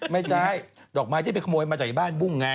ไม่ใช่ดอกไม้ที่ไปขโมยมาจากบ้านบุ้งไง